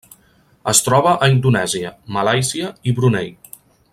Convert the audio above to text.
Es troba a Indonèsia, Malàisia i Brunei.